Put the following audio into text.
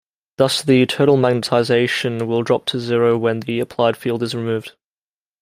Thus the total magnetization will drop to zero when the applied field is removed.